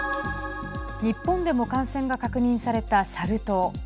日本でも感染が確認されたサル痘。